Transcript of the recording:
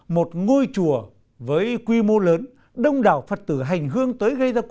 một ngôi chùa với quy mô lớn đông đảo phật tử hành hương tới gây ra cuộc